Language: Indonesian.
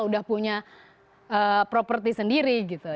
udah punya properti sendiri gitu